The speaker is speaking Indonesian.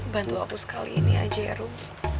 bantu aku sekali ini aja ya rum